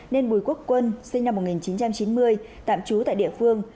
nên bùi quốc quân sinh năm một nghìn chín trăm chín mươi tạm trú tại địa phương